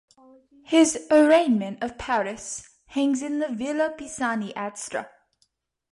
His "Arraignment of Paris" hangs in the Villa Pisani at Stra.